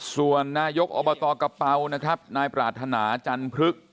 ส่วนนายกอบตกระเป๋านายปราธนาจันทรึก